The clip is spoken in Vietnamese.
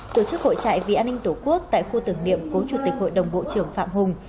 tổ chức hội trại vì an ninh tổ quốc tại khu tưởng niệm cố chủ tịch hội đồng bộ trưởng phạm hùng